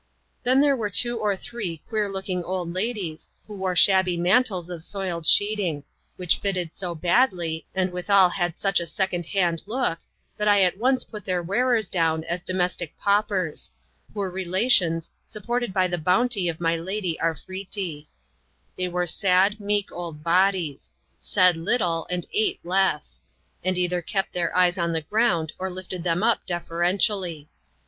Then there were two or three queer looking old ladies, who wore shabby mantles of soiled sheeting ; which fitted so badly, and withal had such a second hand look, that I at once put their wearers down as domestic paupers — poor relations^ su^ ported by the bounty of My Lady Aife^Xfc^. "YVifcl ^<st^ "^'«>^ 964 ADVENTURES IN THE SOUTH SEAS, \cbaf. Lxxm. meek old bodies ; said little and ate less ; and either kept their eyes on the ground, or lifted them up deferentially.